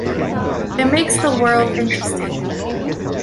It makes the world interesting.